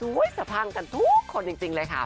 สะพังกันทุกคนจริงเลยค่ะ